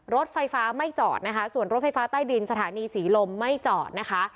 รถไฟฟ้าไม่จอดนะคะส่วนรถไฟฟ้าใต้ดินสถานีศรีลมไม่จอดนะคะ